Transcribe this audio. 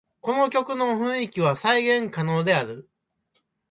この曲の雰囲気は再現可能である